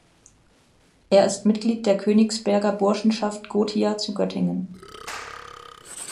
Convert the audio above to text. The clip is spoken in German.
Er ist Mitglied der Königsberger Burschenschaft Gothia zu Göttingen.